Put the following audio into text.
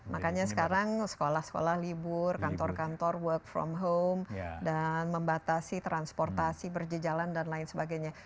makanya sekarang sekolah sekolah libur kantor kantor work from home dan membatasi transportasi berjejalan dan lain sebagainya